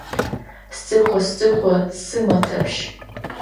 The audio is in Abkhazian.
Сҵыхәа, сҵыхәа Сымаҭаԥшь!